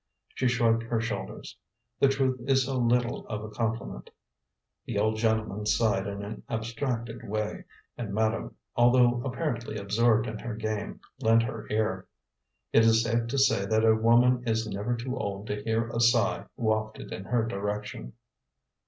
She shrugged her shoulders. The truth is so little of a compliment The old gentleman sighed in an abstracted way, and madame, although apparently absorbed in her game, lent her ear. It is safe to say that a woman is never too old to hear a sigh wafted in her direction.